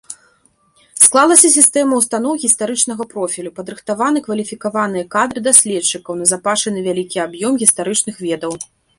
Склалася сістэма ўстаноў гістарычнага профілю, падрыхтаваны кваліфікаваныя кадры даследчыкаў, назапашаны вялікі аб'ём гістарычных ведаў.